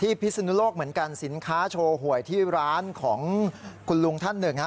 พิศนุโลกเหมือนกันสินค้าโชว์หวยที่ร้านของคุณลุงท่านหนึ่งฮะ